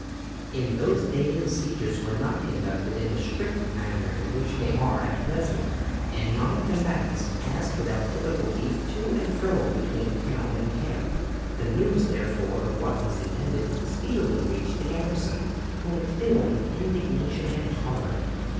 In those days sieges were not conducted in the strict manner in which they are at present, and non combatants passed without difficulty to and fro between town and camp. The news, therefore, of what was intended speedily reached the garrison, whom it filled with indignation and horror.